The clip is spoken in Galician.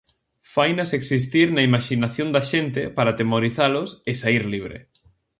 Fainas existir na imaxinación da xente para atemorizalos e saír libre.